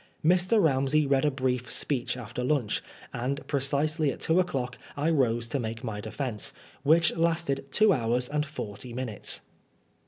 Mr. Ramsey read a brief speech after lunch, and precisely at two o'clock I rose to make my defence, which lasted two hours and forty minutes.